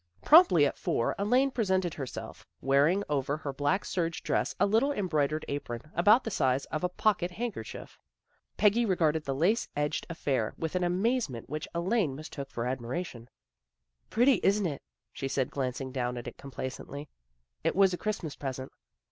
Promptly at four Elaine presented herself, wearing over her black serge dress a little em broidered apron, about the size of a pocket handkerchief. Peggy regarded the lace edged affair with an amazement which Elaine mistook for admiration. " Pretty, isn't it? " she said, glancing down at it complacently. " It was a Christmas present."